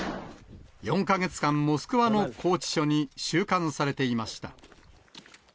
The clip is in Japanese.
４か月間モスクワの拘置所に収監されていました。